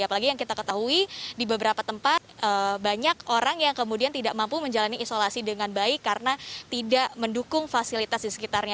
apalagi yang kita ketahui di beberapa tempat banyak orang yang kemudian tidak mampu menjalani isolasi dengan baik karena tidak mendukung fasilitas di sekitarnya